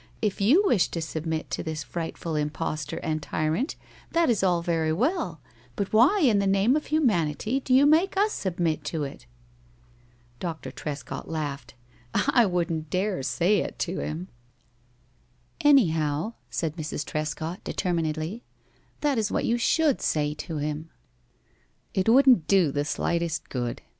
If you wish to submit to this frightful impostor and tyrant, that is all very well, but why in the name of humanity do you make us submit to it?" Doctor Trescott laughed. "I wouldn't dare say it to him." "Anyhow," said Mrs. Trescott, determinedly, "that is what you should say to him." "It wouldn't do the slightest good.